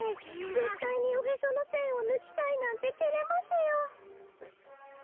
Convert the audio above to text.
ぜったいにおへそのせんをぬきたいなんててれますよ。